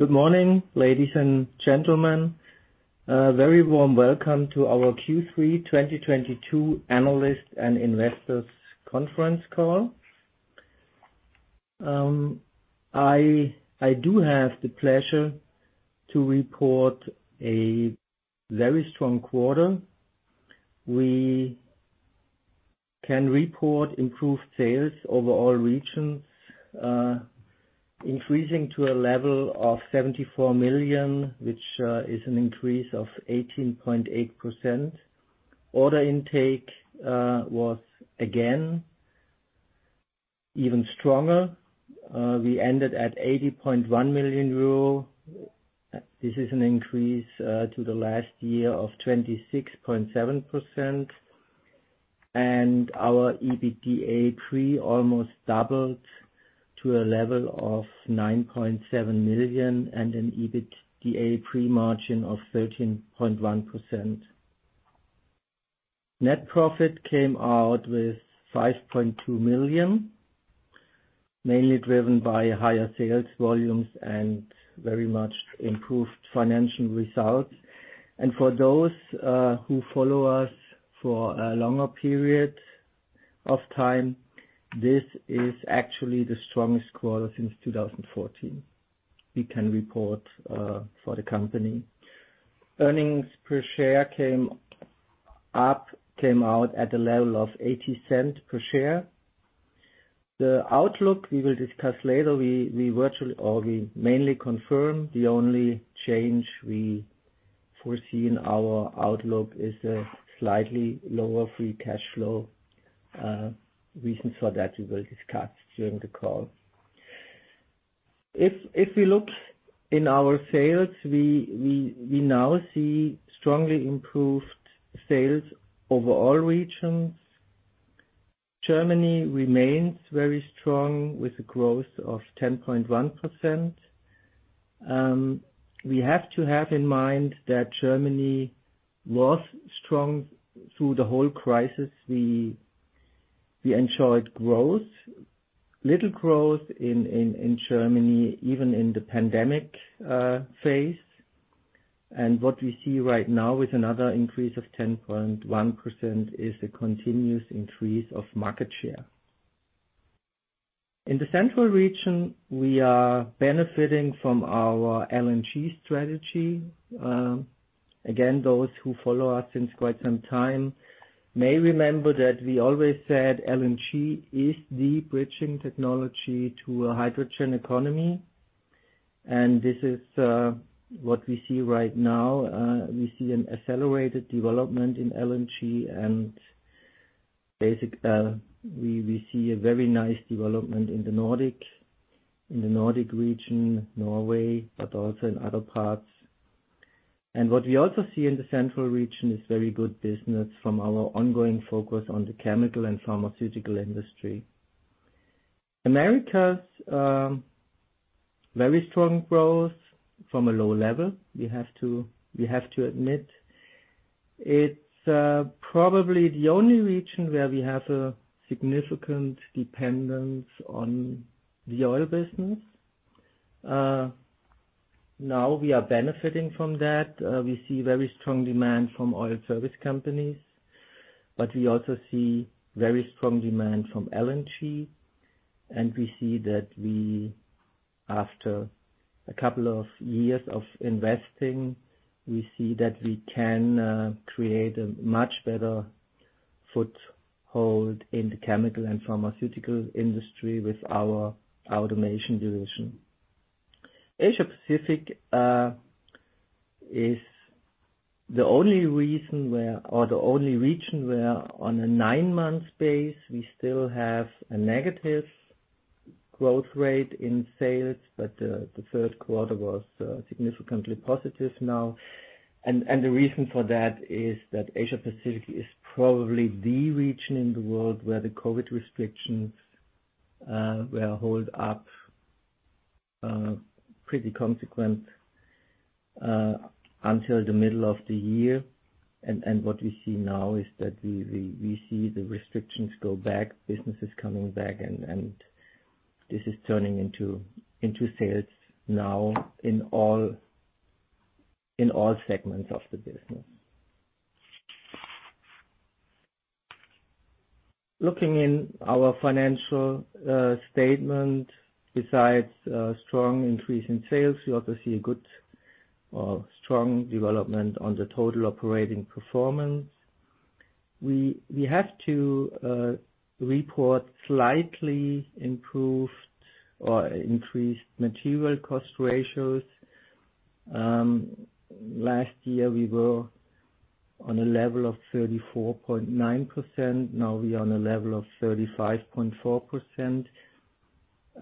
Good morning, ladies and gentlemen. Very warm welcome to our Q3 2022 Analysts and Investors Conference Call. I do have the pleasure to report a very strong quarter. We can report improved sales over all regions, increasing to a level of 74 million, which is an increase of 18.8%. Order intake was again even stronger. We ended at 80.1 million euro. This is an increase to the last year of 26.7%. Our EBITDA pre almost doubled to a level of 9.7 million and an EBITDA pre-margin of 13.1%. Net profit came out with 5.2 million, mainly driven by higher sales volumes and very much improved financial results. For those who follow us for a longer period of time, this is actually the strongest quarter since 2014 we can report for the company. Earnings per share came out at a level of 0.80 per share. The outlook we will discuss later, we virtually, or we mainly confirm. The only change we foresee in our outlook is a slightly lower free cash flow, reason for that we will discuss during the call. If we look in our sales, we now see strongly improved sales over all regions. Germany remains very strong with a growth of 10.1%. We have to have in mind that Germany was strong through the whole crisis. We ensured growth, little growth in Germany, even in the pandemic phase. What we see right now with another increase of 10.1% is a continuous increase of market share. In the central region, we are benefiting from our LNG strategy. Again, those who follow us since quite some time may remember that we always said LNG is the bridging technology to a hydrogen economy. This is what we see right now. We see an accelerated development in LNG. We see a very nice development in the Nordic region, Norway, but also in other parts. What we also see in the central region is very good business from our ongoing focus on the chemical and pharmaceutical industry. In the Americas, very strong growth from a low level. We have to admit. It's probably the only region where we have a significant dependence on the oil business. Now we are benefiting from that. We see very strong demand from oil service companies, but we also see very strong demand from LNG. We see that after a couple of years of investing, we see that we can create a much better foothold in the chemical and pharmaceutical industry with our automation division. Asia Pacific is the only region where on a nine-month basis, we still have a negative growth rate in sales, but the Q3 was significantly positive now. The reason for that is that Asia Pacific is probably the region in the world where the COVID restrictions were held up pretty consistently until the middle of the year. What we see now is that we see the restrictions go back, business is coming back and this is turning into sales now in all segments of the business. Looking in our financial statement, besides strong increase in sales, we also see a good or strong development on the total operating performance. We have to report slightly improved or increased material cost ratios. Last year, we were on a level of 34.9%. Now we're on a level of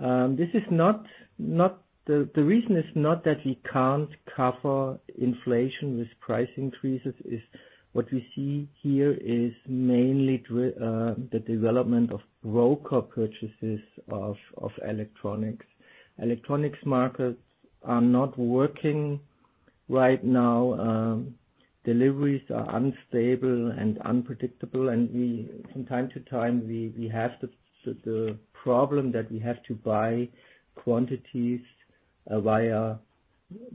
35.4%. The reason is not that we can't cover inflation with price increases. What we see here is mainly the development of raw component purchases of electronics. Electronics markets are not working. Right now, deliveries are unstable and unpredictable, from time to time we have the problem that we have to buy quantities via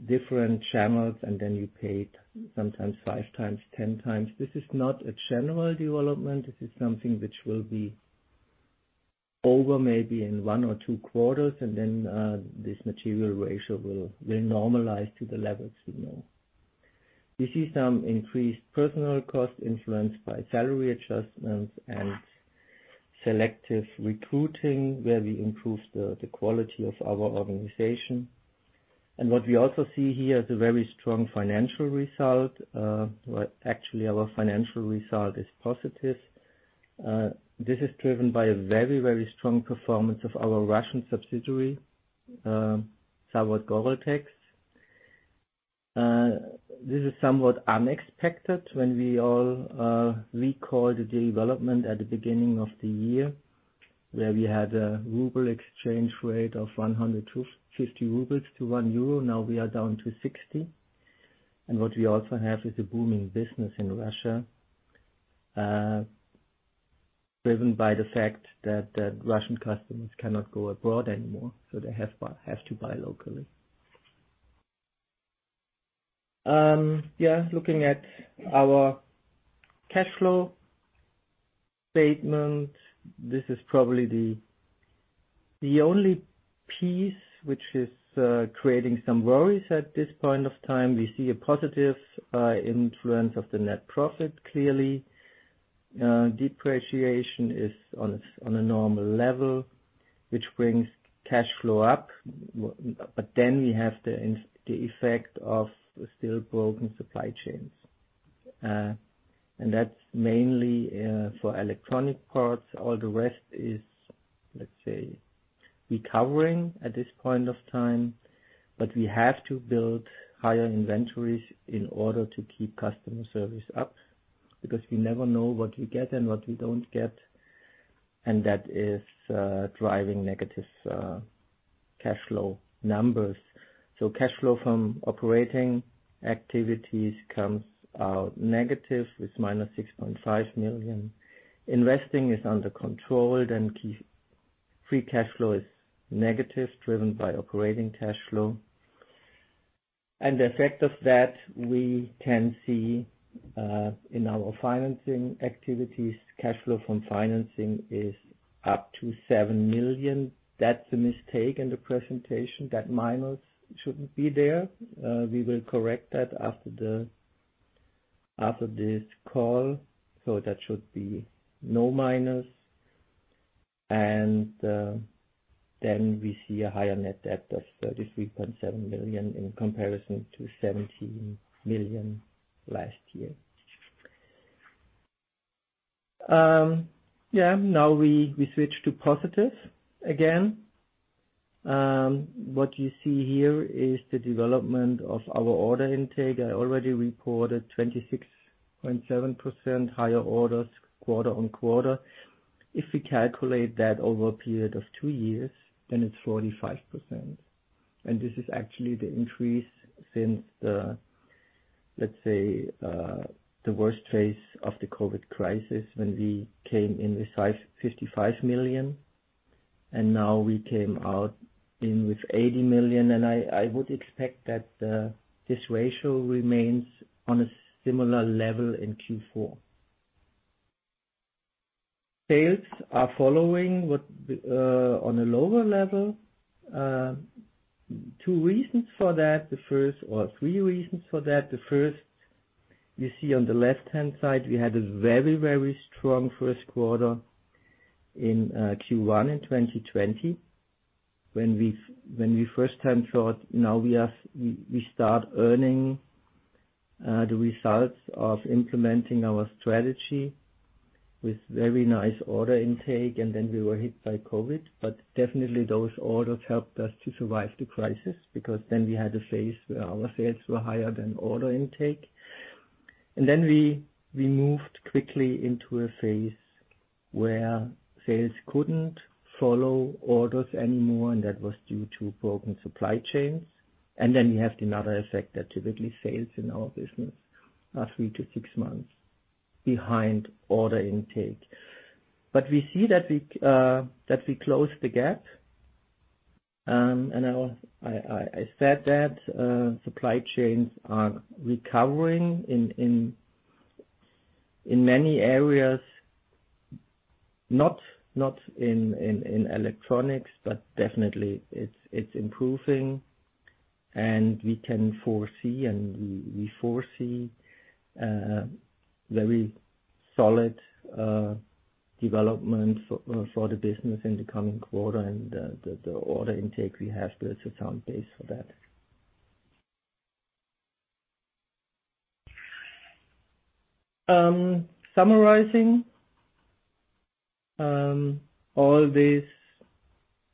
different channels, and then you pay sometimes 5x, 10x. This is not a general development, this is something which will be over maybe in one or two quarters, and then this material ratio will normalize to the levels we know. We see some increased personnel cost influenced by salary adjustments and selective recruiting, where we improve the quality of our organization. What we also see here is a very strong financial result. Actually our financial result is positive. This is driven by a very, very strong performance of our Russian subsidiary, ZAO R. STAHL. This is somewhat unexpected when we all recall the development at the beginning of the year, where we had a ruble exchange rate of 150 rubles to one euro. Now we are down to 60. What we also have is a booming business in Russia, driven by the fact that the Russian customers cannot go abroad anymore, so they have to buy locally. Looking at our cash flow statement, this is probably the only piece which is creating some worries at this point of time. We see a positive influence of the net profit, clearly. Depreciation is on a normal level, which brings cash flow up. But then we have the effect of still broken supply chains. That's mainly for electronic parts. All the rest is, let's say, recovering at this point of time, but we have to build higher inventories in order to keep customer service up, because we never know what we get and what we don't get, and that is driving negative cash flow numbers. Cash flow from operating activities comes out negative with -6.5 million. Investing is under control, then free cash flow is negative, driven by operating cash flow. The effect of that we can see in our financing activities. Cash flow from financing is up to 7 million. That's a mistake in the presentation. That minus shouldn't be there. We will correct that after this call, so that should be no minus. Then we see a higher net debt of 33.7 million in comparison to 17 million last year. Yeah. Now we switch to positive again. What you see here is the development of our order intake. I already reported 26.7% higher orders quarter-on-quarter. If we calculate that over a period of two years, then it's 45%. This is actually the increase since the, let's say, the worst phase of the COVID crisis, when we came in with 55 million, and now we came out with 80 million. I would expect that this ratio remains on a similar level in Q4. Sales are following on a lower level. Two reasons for that. The first or three reasons for that. The first you see on the left-hand side, we had a very, very strong Q1 in Q1 in 2020, when we first time thought, "Now we are, we start earning the results of implementing our strategy with very nice order intake." We were hit by COVID. Definitely those orders helped us to survive the crisis, because then we had a phase where our sales were higher than order intake. We moved quickly into a phase where sales couldn't follow orders anymore, and that was due to broken supply chains. You have another effect that typically sales in our business are three to six months behind order intake. We see that we closed the gap. I said that supply chains are recovering in many areas. Not in electronics, but definitely it's improving and we can foresee and we foresee very solid development for the business in the coming quarter and the order intake we have builds a sound base for that. Summarizing all this,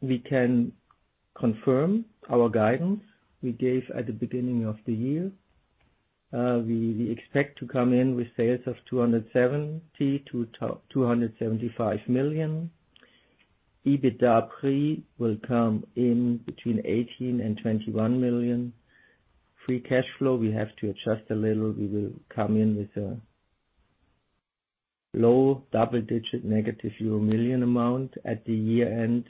we can confirm our guidance we gave at the beginning of the year. We expect to come in with sales of 270 million to 275 million. EBITDA pre will come in between 18 million and 21 million. Free cash flow, we have to adjust a little. We will come in with a low double-digit negative euro million amount at year-end,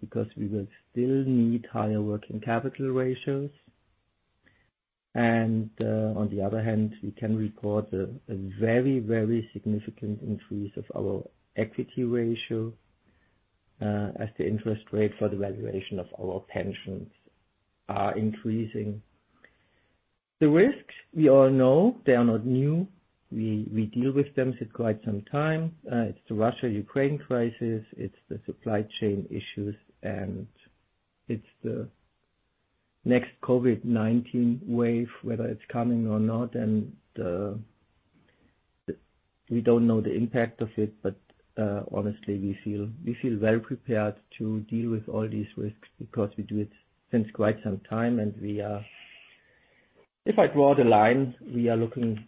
because we will still need higher working capital ratios. On the other hand, we can report a very significant increase of our equity ratio as the interest rates for the valuation of our pensions are increasing. The risks, we all know, they are not new. We deal with them since quite some time. It's the Russia-Ukraine crisis, it's the supply chain issues, and it's the next COVID-19 wave, whether it's coming or not. We don't know the impact of it, but honestly, we feel well prepared to deal with all these risks because we do it since quite some time. If I draw the line, we are looking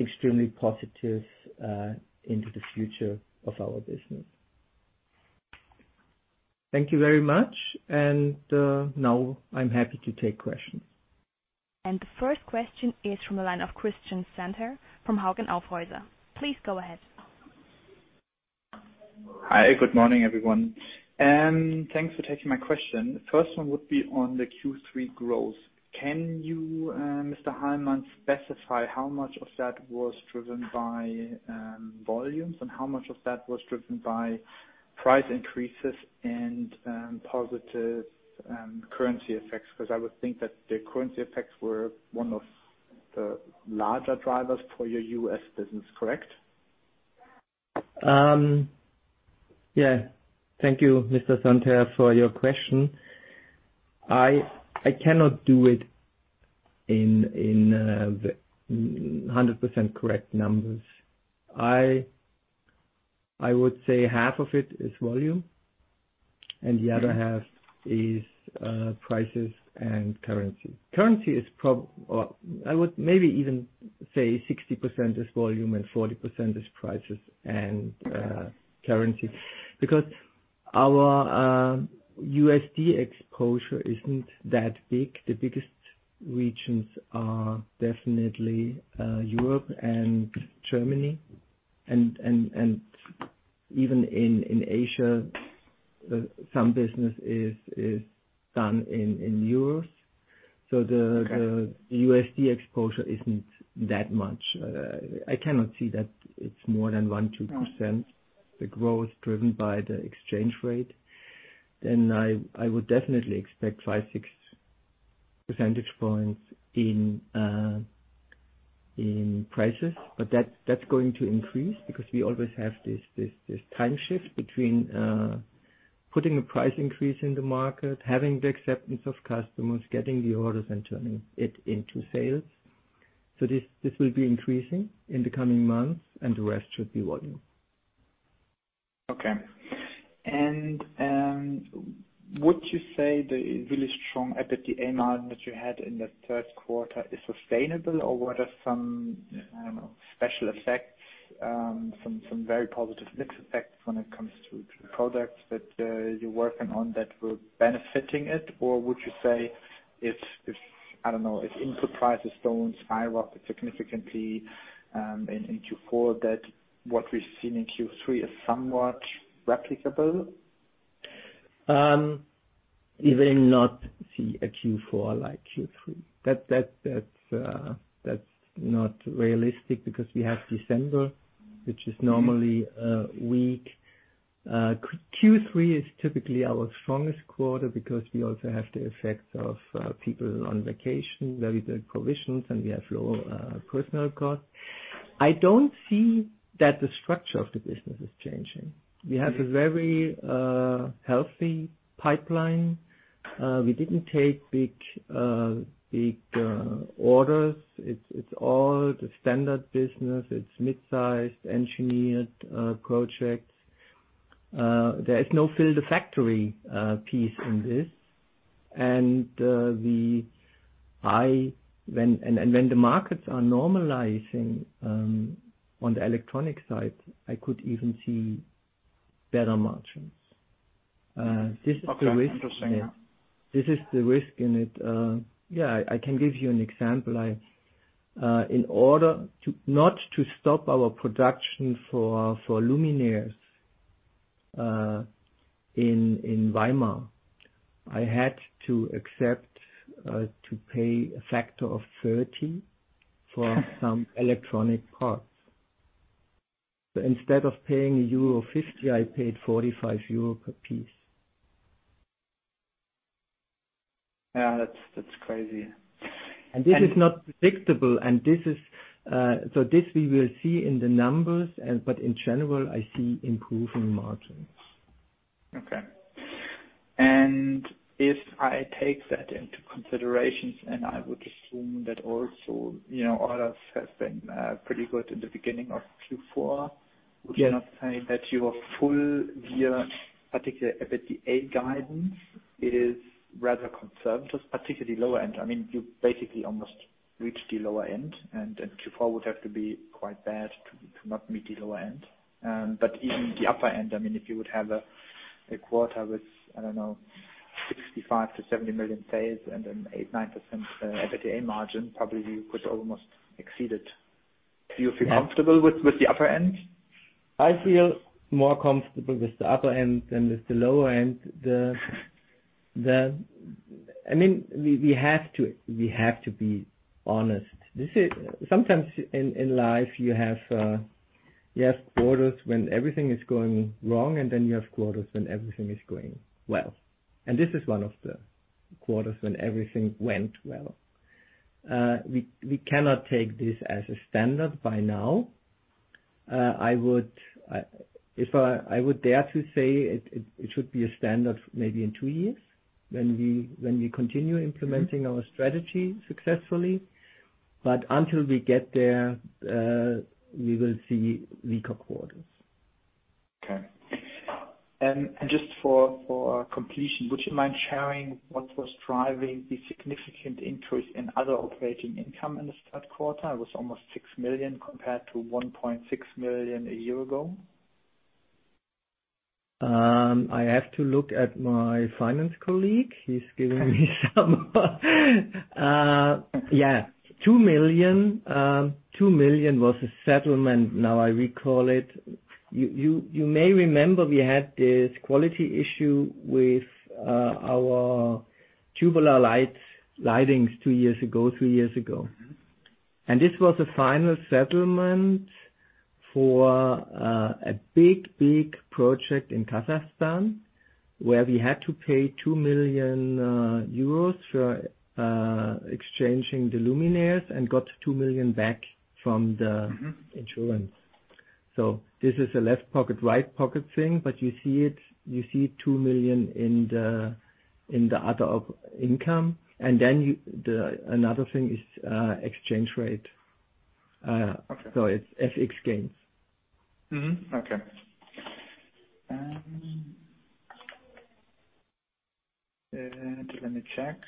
extremely positive into the future of our business. Thank you very much. Now I'm happy to take questions. The first question is from the line of Christian Sänter from Hauck Aufhäuser. Please go ahead. Hi. Good morning, everyone, and thanks for taking my question. The first one would be on the Q3 growth. Can you, Dr. Hallmann, specify how much of that was driven by volumes, and how much of that was driven by price increases and positive currency effects? Because I would think that the currency effects were one of the larger drivers for your US business, correct? Yeah. Thank you, Mr. Sänter, for your question. I cannot do it in the 100% correct numbers. I would say half of it is volume, and the other half is prices and currency. Well, I would maybe even say 60% is volume and 40% is prices and currency. Because our USD exposure isn't that big. The biggest regions are definitely Europe and Germany. Even in Asia, some business is done in euros. So the - Okay. The USD exposure isn't that much. I cannot see that it's more than 1% to 2%, the growth driven by the exchange rate. I would definitely expect five, six percentage points in prices. But that's going to increase because we always have this time shift between putting a price increase in the market, having the acceptance of customers, getting the orders, and turning it into sales. This will be increasing in the coming months, and the rest should be volume. Okay. Would you say the really strong EBITDA margin that you had in the Q3 is sustainable, or were there some, I don't know, special effects, some very positive mix effects when it comes to products that you're working on that were benefiting it? Or would you say if, I don't know, if input prices don't skyrocket significantly, in Q4, that what we've seen in Q3 is somewhat replicable? We will not see a Q4 like Q3. That's not realistic because we have December, which is normally a weak quarter. Q3 is typically our strongest quarter because we also have the effects of people on vacation, very good provisions, and we have low personnel costs. I don't see that the structure of the business is changing. We have a very healthy pipeline. We didn't take big orders. It's all the standard business. It's mid-sized, engineered projects. There is no fill the factory piece in this. When the markets are normalizing on the electronic side, I could even see better margins. This is the risk in it. Okay. Interesting, yeah. This is the risk in it. I can give you an example. In order to not stop our production for luminaires in Weimar, I had to accept to pay a factor of 30 for some electronic parts. Instead of paying euro 50, I paid 45 euro per piece. Yeah, that's crazy. This is not predictable. This we will see in the numbers, but in general, I see improving margins. Okay. If I take that into consideration, I would assume that also, you know, orders have been pretty good in the beginning of Q4. Yes. Would you not say that your full-year, particularly EBITDA guidance, is rather conservative, particularly lower end? I mean, you basically almost reached the lower end, and Q4 would have to be quite bad to not meet the lower end. But even the upper end, I mean, if you would have a quarter with, I don't know 65 million to 70 million sales and then 8% to 9% EBITDA margin, probably you could almost exceed it. Do you feel comfortable with the upper end? I feel more comfortable with the upper end than with the lower end. I mean, we have to be honest. Sometimes in life, you have quarters when everything is going wrong, and then you have quarters when everything is going well. This is one of the quarters when everything went well. We cannot take this as a standard by now. I would dare to say it should be a standard maybe in two years when we continue implementing our strategy successfully. Until we get there, we will see weaker quarters. Okay. Just for completion, would you mind sharing what was driving the significant increase in other operating income in the Q3? It was almost 6 million compared to 1.6 million a year ago. I have to look at my finance colleague. He's giving me some. Yeah. 2 million was a settlement, now I recall it. You may remember we had this quality issue with our tubular lights two years ago, three years ago. Mm-hmm. This was a final settlement for a big, big project in Kazakhstan, where we had to pay 2 million euros for exchanging the luminaires and got 2 million back from the- Mm-hmm. insurance. This is a left pocket, right pocket thing, but you see 2 million in the other income. Then another thing is exchange rate. Okay. It's FX gains. Mm-hmm. Okay. Let me check.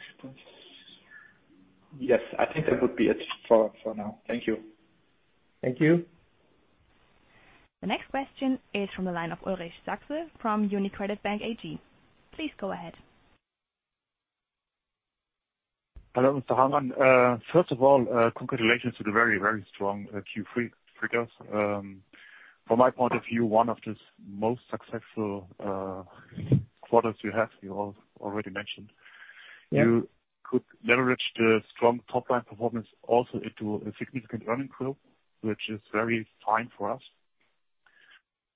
Yes, I think that would be it for now. Thank you. Thank you. The next question is from the line of Ulrich Saxe from UniCredit Bank AG. Please go ahead. Hello, Dr. Mathias Hallmann. First of all, congratulations to the very, very strong Q3 figures. From my point of view, one of the most successful quarters you already mentioned. Yeah. You could leverage the strong top line performance also into a significant earning flow, which is very fine for us.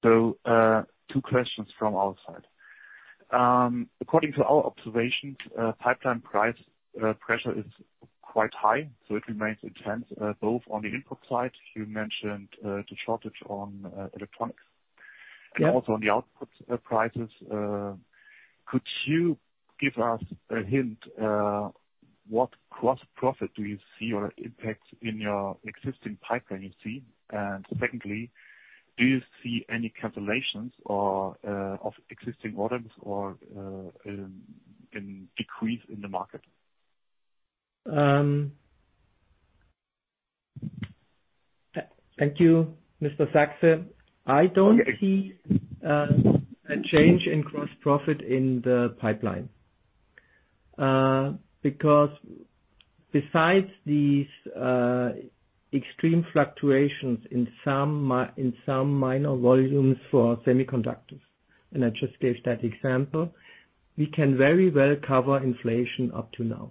Two questions from our side. According to our observations, pipeline price pressure is quite high, so it remains intense, both on the input side, you mentioned, the shortage on electronics. Yeah. Also on the output prices, could you give us a hint what gross profit do you see or impacts in your existing pipeline you see? Secondly, do you see any cancellations or of existing orders or any decrease in the market? Thank you, Mr. Saxe. I don't see a change in gross profit in the pipeline, because besides these extreme fluctuations in some minor volumes for semiconductors, and I just gave that example, we can very well cover inflation up to now.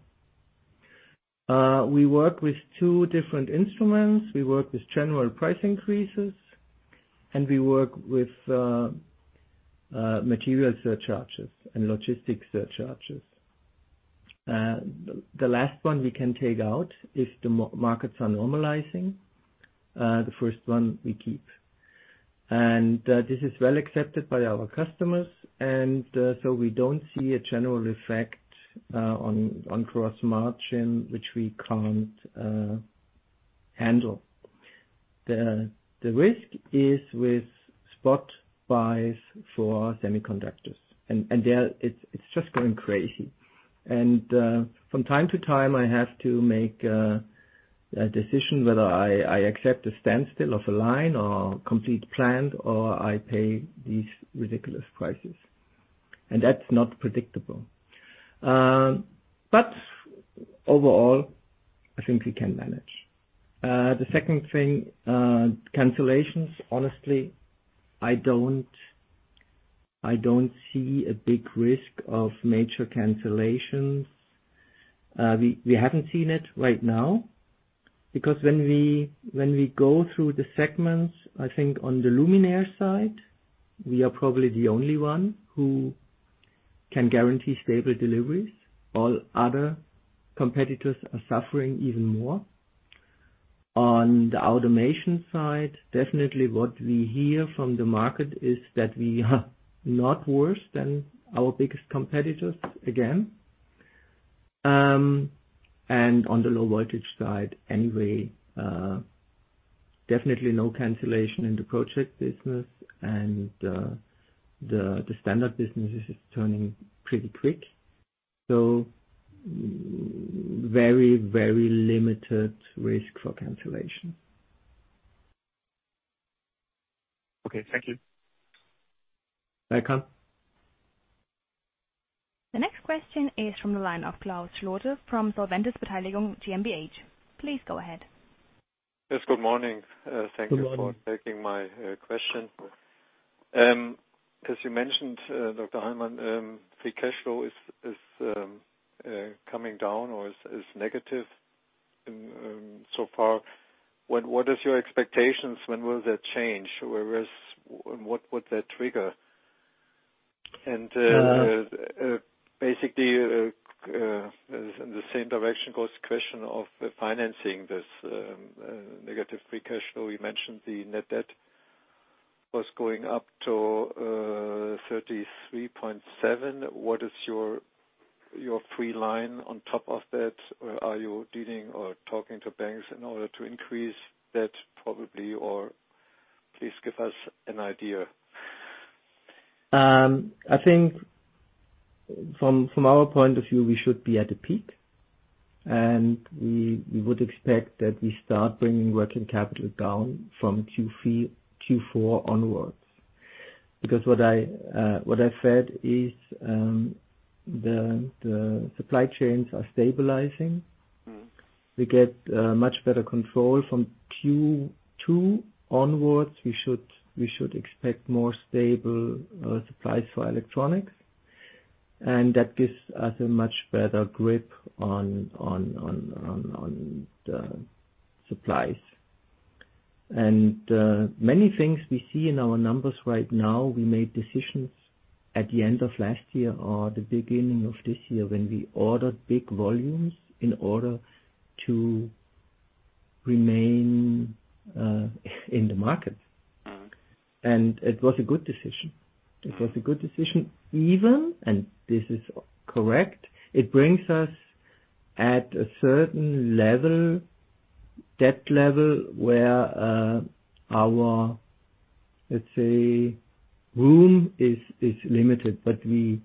We work with two different instruments. We work with general price increases, and we work with material surcharges and logistics surcharges. The last one we can take out if the markets are normalizing. The first one we keep. This is well accepted by our customers. We don't see a general effect on gross margin, which we can't handle. The risk is with spot buys for semiconductors, and there it's just going crazy. From time to time, I have to make a decision whether I accept a standstill of a line or complete plant, or I pay these ridiculous prices. That's not predictable. Overall, I think we can manage. The second thing, cancellations. Honestly, I don't see a big risk of major cancellations. We haven't seen it right now because when we go through the segments, I think on the luminaire side, we are probably the only one who can guarantee stable deliveries. All other competitors are suffering even more. On the automation side, definitely what we hear from the market is that we are not worse than our biggest competitors, again. On the low voltage side, anyway, definitely no cancellation in the project business and the standard business is turning pretty quick. Very, very limited risk for cancellation. Okay. Thank you. Welcome. The next question is from the line of Klaus Schlote from Solventis Beteiligungen GmbH. Please go ahead. Yes. Good morning. Good morning. Thank you for taking my question. As you mentioned, Dr. Mathias Hallmann, free cash flow is coming down or is negative so far. What is your expectations? When will that change? What would that trigger? Basically, in the same direction goes the question of financing this negative free cash flow. You mentioned the net debt was going up to 33.7. What is your credit line on top of that? Are you dealing or talking to banks in order to increase that, probably? Or please give us an idea. I think from our point of view, we should be at the peak, and we would expect that we start bringing working capital down from Q3, Q4 onwards. Because what I said is, the supply chains are stabilizing. Mm-hmm. We get much better control from Q2 onwards. We should expect more stable supplies for electronics, and that gives us a much better grip on the supplies. Many things we see in our numbers right now, we made decisions at the end of last year or the beginning of this year when we ordered big volumes in order to remain in the market. Mm-hmm. It was a good decision. Mm-hmm. It was a good decision even, and this is correct, it brings us at a certain level, debt level, where our, let's say, room is limited. But we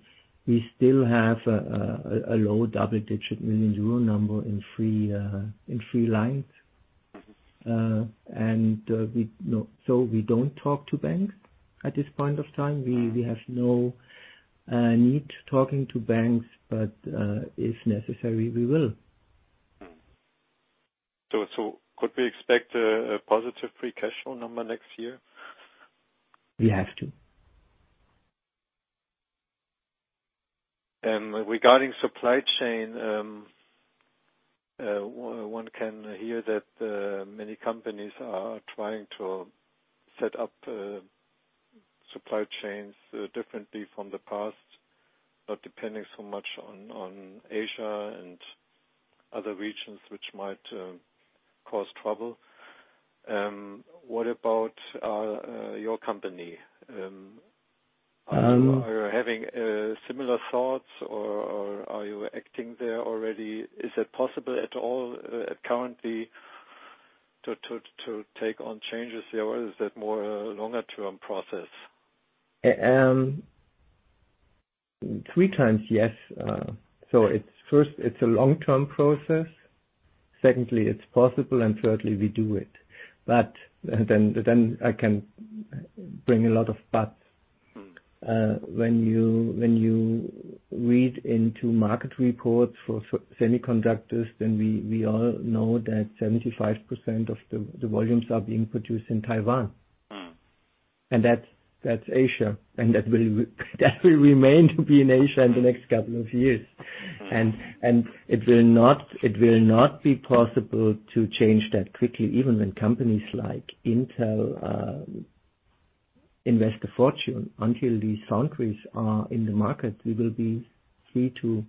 still have a low double-digit millions EUR number in free lines. Mm-hmm. We don't talk to banks at this point of time. Mm-hmm. We have no need talking to banks, but if necessary, we will. Could we expect a positive free cash flow number next year? We have to. Regarding supply chain, one can hear that many companies are trying to set up supply chains differently from the past, not depending so much on Asia and other regions which might cause trouble. What about your company? Mm-hmm. Are you having similar thoughts, or are you acting there already? Is it possible at all, currently to take on changes there, or is that more a longer-term process? Three times, yes. First, it's a long-term process. Secondly, it's possible, and thirdly, we do it. I can bring a lot of buts. Mm-hmm. When you read into market reports for semiconductors, we all know that 75% of the volumes are being produced in Taiwan. Mm-hmm. That's Asia, and that will remain to be in Asia in the next couple of years. Mm-hmm. It will not be possible to change that quickly, even when companies like Intel invest a fortune. Until these foundries are in the market, we will be three to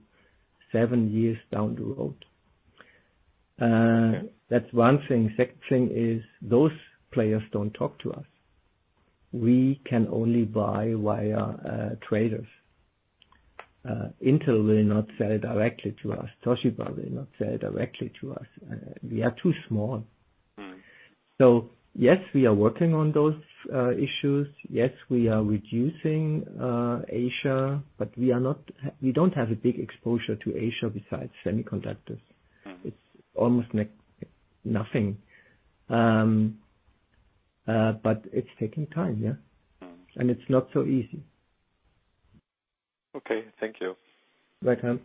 seven years down the road. Yeah. That's one thing. Second thing is those players don't talk to us. We can only buy via traders. Intel will not sell directly to us. Toshiba will not sell directly to us. We are too small. Mm-hmm. Yes, we are working on those issues. Yes, we are reducing Asia, but we don't have a big exposure to Asia besides semiconductors. Mm-hmm. It's almost nothing. But it's taking time, yeah? Mm-hmm. It's not so easy. Okay. Thank you. Welcome.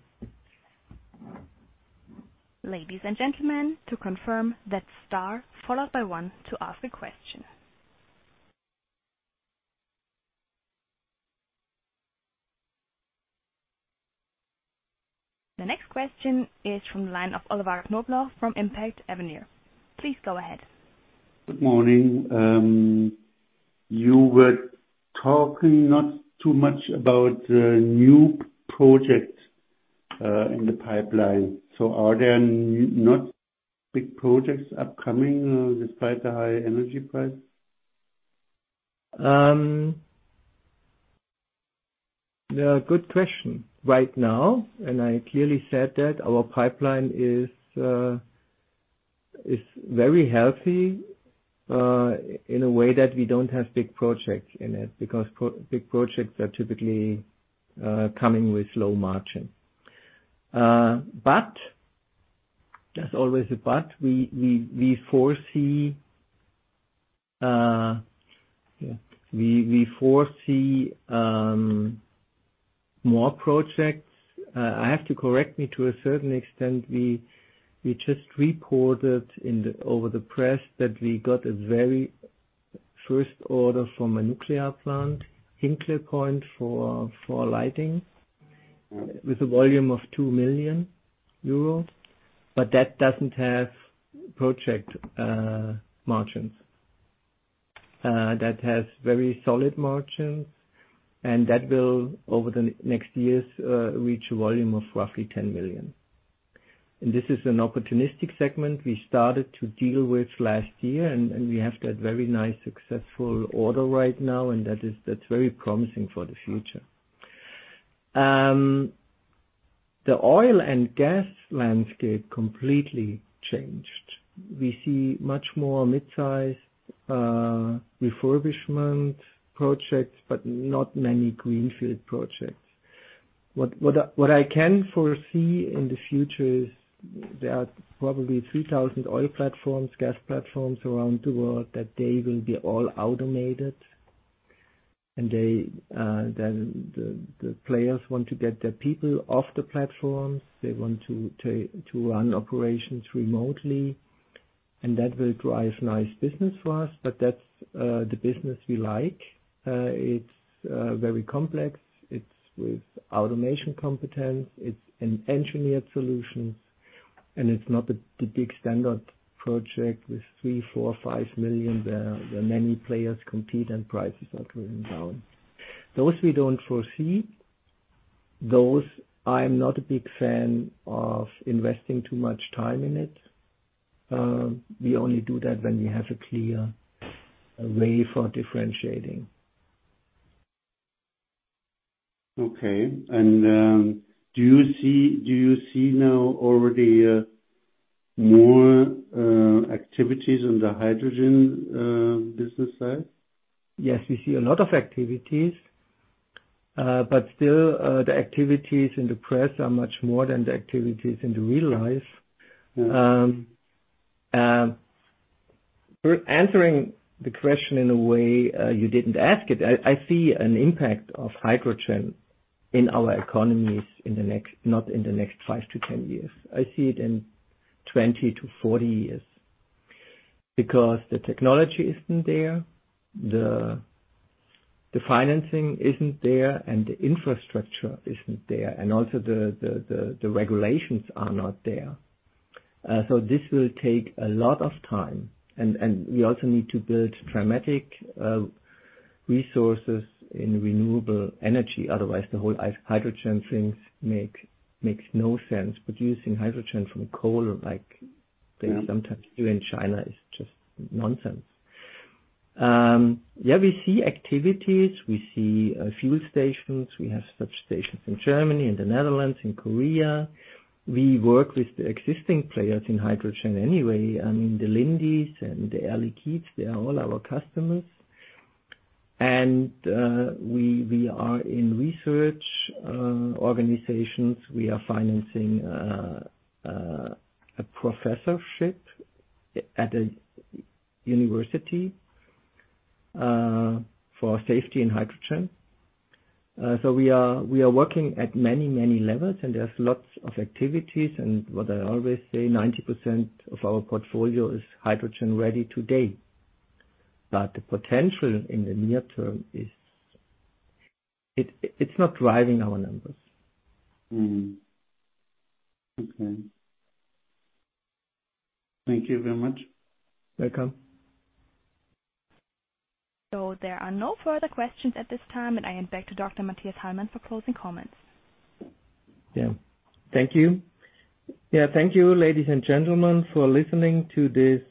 Ladies and gentlemen, to confirm that star followed by one to ask a question. The next question is from the line of Oliver Knobloch from Impact Avenue. Please go ahead. Good morning. You were talking not too much about the new project in the pipeline. Are there not big projects upcoming despite the high energy price? Yeah, good question. Right now, I clearly said that our pipeline is very healthy in a way that we don't have big projects in it, because big projects are typically coming with low margin. There's always a but. We foresee more projects. I have to correct me to a certain extent. We just reported in the press that we got a very first order from a nuclear plant, Hinkley Point, for lighting with a volume of 2 million euros. That doesn't have project margins. That has very solid margins, and that will, over the next years, reach a volume of roughly 10 million. This is an opportunistic segment we started to deal with last year, and we have that very nice, successful order right now, and that is very promising for the future. The oil and gas landscape completely changed. We see much more mid-size refurbishment projects, but not many greenfield projects. What I can foresee in the future is there are probably 3,000 oil platforms, gas platforms around the world, that they will be all automated and they, then the players want to get their people off the platforms. They want to run operations remotely, and that will drive nice business for us. But that's the business we like. It's very complex. It's with automation competence. It's an engineered solution, and it's not the big standard project with 3 million, 4 million, 5 million, where many players compete and prices are driven down. Those we don't foresee. Those, I'm not a big fan of investing too much time in it. We only do that when we have a clear way for differentiating. Okay. Do you see now already more activities on the hydrogen business side? Yes, we see a lot of activities. Still, the activities in the press are much more than the activities in real life. We're answering the question in a way you didn't ask it. I see an impact of hydrogen in our economies not in the next five to 10 years. I see it in 20 to 40 years. Because the technology isn't there, the financing isn't there, and the infrastructure isn't there. Also, the regulations are not there. This will take a lot of time. We also need to build dramatic resources in renewable energy, otherwise the whole hydrogen thing makes no sense. Producing hydrogen from coal like they sometimes do in China is just nonsense. Yeah, we see activities. We see fuel stations. We have such stations in Germany, in the Netherlands, in Korea. We work with the existing players in hydrogen anyway. I mean, the Linde and the Air Liquide, they are all our customers. We are in research organizations. We are financing a professorship at a university for safety in hydrogen. We are working at many levels, and there's lots of activities. What I always say, 90% of our portfolio is hydrogen-ready today. The potential in the near term is. It's not driving our numbers. Okay. Thank you very much. Welcome. There are no further questions at this time, and I hand back to Dr. Mathias Hallmann for closing comments. Thank you, ladies and gentlemen, for listening to this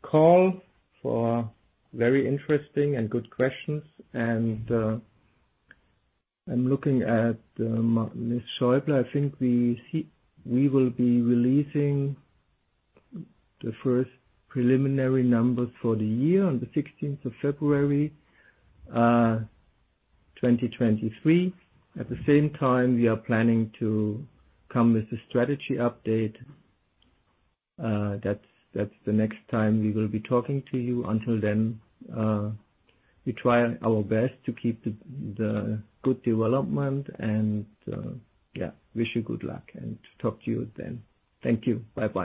call, for very interesting and good questions. I'm looking at Judith Schäuble. I think we will be releasing the first preliminary numbers for the year on the 16th of February 2023. At the same time, we are planning to come with a strategy update. That's the next time we will be talking to you. Until then, we try our best to keep the good development and wish you good luck. Talk to you then. Thank you. Bye-bye.